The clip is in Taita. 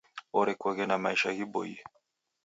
Orekoghe na maisha ghiboie.